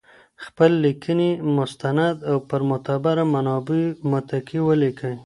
خپل لیکنې مستند او پر معتبره منابعو متکي ولیکئ.